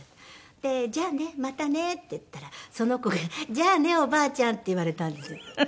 で「じゃあねまたね」って言ったらその子に「じゃあねおばあちゃん」って言われたんです。